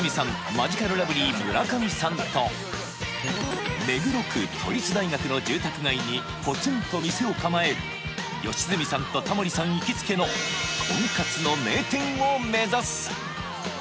マヂカルラブリー村上さんと目黒区都立大学の住宅街にぽつんと店を構える良純さんとタモリさん行きつけのとんかつの名店を目指す！